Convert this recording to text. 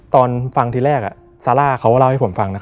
ตอนฟังที่แรกซาล่าเค้าเล่าให้ผมฟัง